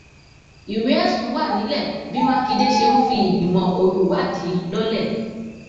Ìwé ẹ̀ṣùn wà nílẹ̀ bí Mákindé ṣe ń fi ìgbìmọ̀ olùwádìí lọ́lẹ̀.